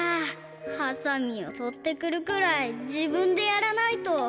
ハサミをとってくるくらいじぶんでやらないと。